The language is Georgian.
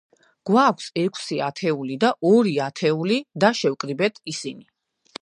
გვაქვს ექვსი ათეული და ორი ათეული და შევკრიბეთ ისინი.